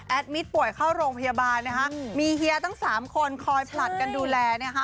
มิตป่วยเข้าโรงพยาบาลนะคะมีเฮียตั้งสามคนคอยผลัดกันดูแลนะคะ